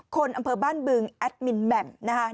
คนอำเภอบ้านบึงแอดมินแบม